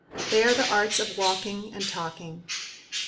They are the arts of walking and talking.